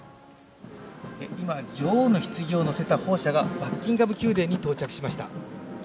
今、女王のひつぎを乗せた砲車がバッキンガム宮殿に到着しました。